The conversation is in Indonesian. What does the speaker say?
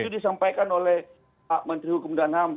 itu disampaikan oleh menteri hukum dan ham